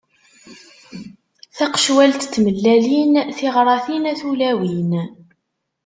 Taqecwalt n tmellalin, tiɣratin a tulawin.